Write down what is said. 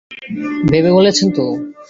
ভেবে বলছেন তো?